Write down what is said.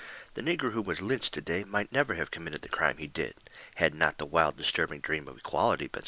"The negro who was lynched to day might never have committed the crime he did had not the wild, disturbing dream of equality been stirring in his brain.